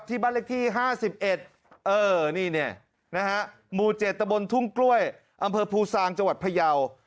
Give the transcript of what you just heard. ที่บ้านเล็กที่๕๑มู๗ตะบลทุ่งกล้วยอำเภอภูซางจังหวัดพยาว